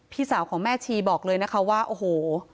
พี่สาวของแม่ชีบอกเลยนะคะว่าโอ้โห